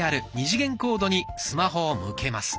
２次元コードにスマホを向けます。